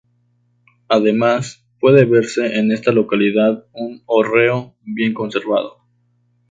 Además, puede verse en esta localidad un hórreo bien conservado.